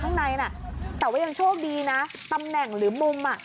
ข้างในน่ะแต่ว่ายังโชคดีนะตำแหน่งหรือมุมอ่ะ